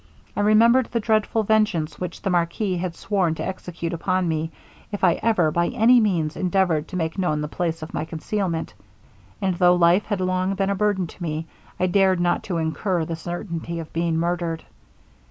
I remembered the dreadful vengeance which the marquis had sworn to execute upon me, if I ever, by any means, endeavoured to make known the place of my concealment; and though life had long been a burden to me, I dared not to incur the certainty of being murdered.